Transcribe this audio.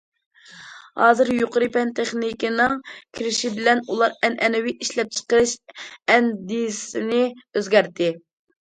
ھازىر، يۇقىرى پەن- تېخنىكىنىڭ كىرىشى بىلەن، ئۇلار ئەنئەنىۋى ئىشلەپچىقىرىش ئەندىزىسىنى ئۆزگەرتتى.